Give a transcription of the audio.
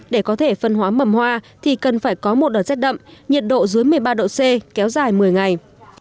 để có thể phân hóa mầm hoa thì cần phải có một đợt rét đậm nhiệt độ dưới một mươi ba độ c kéo dài một mươi ngày